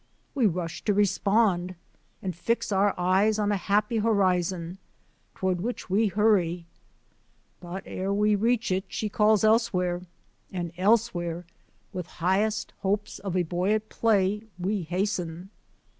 We rush to respond and fix our eyes on a happy horizon, toward which we hurry; but ere we reach it she calls elsewhere, and elsewhere, with highest hopes of a boy at play, we hasten.